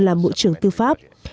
là bộ trưởng tư pháp